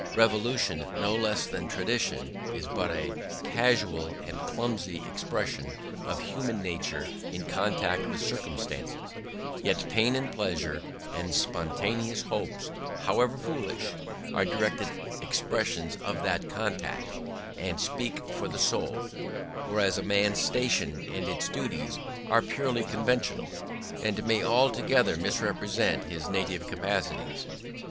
Revolution, no less than tradition, is but a casual and clumsy expression of human nature in contact with circumstances; yet pain and pleasure and spontaneous hopes, however foolish, are direct expressions of that contact, and speak for the soul; whereas a man's station and its duties are purely conventional, and may altogether misrepresent his native capacities.